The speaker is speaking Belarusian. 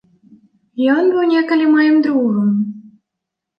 Ён быў некалі маім другам.